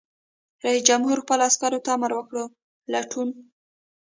رئیس جمهور خپلو عسکرو ته امر وکړ؛ لټون!